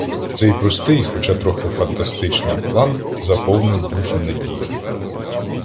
Цей простий, хоча трохи фантастичний, план заповнив душу надією.